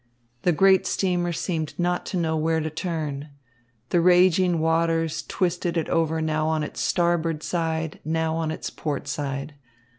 The great steamer seemed not to know where to turn. The raging waters twisted it over now on its starboard side, now on its port side.